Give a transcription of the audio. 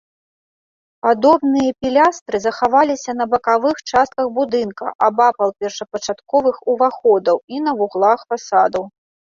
Падобныя пілястры захаваліся на бакавых частках будынка, абапал першапачатковых уваходаў, і на вуглах фасадаў.